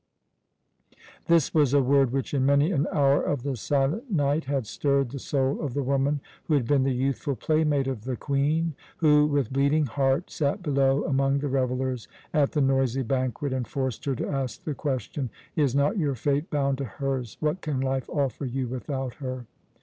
This was a word which, in many an hour of the silent night, had stirred the soul of the woman who had been the youthful playmate of the Queen who, with bleeding heart, sat below among the revellers at the noisy banquet and forced her to ask the question: "Is not your fate bound to hers? What can life offer you without her?"